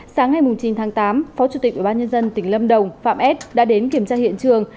sáng ngày chín tháng tám phó chủ tịch ubnd tỉnh lâm đồng phạm s đã đến kiểm tra hiện trường